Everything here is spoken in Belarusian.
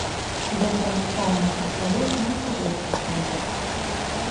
Ён па ментальнасці сваёй не савецкі чалавек.